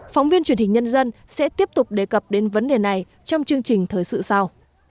phóng viên truyền hình nhân dân sẽ tiếp tục đề cập đến vấn đề này trong chương trình thời sự sau